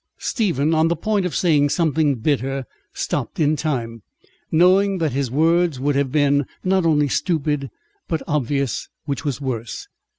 Stephen, on the point of saying something bitter, stopped in time, knowing that his words would have been not only stupid but obvious, which was worse.